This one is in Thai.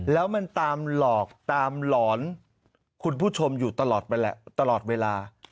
แล้วมันตามหลอกตามหลอนคุณผู้ชมอยู่ตลอดเวลา